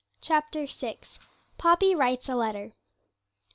CHAPTER VI. POPPY WRITES A LETTER.